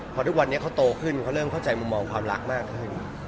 พอทุกวันนี้เขาโตขึ้นเขาเริ่มเข้าใจมุมมองความรักมากขึ้น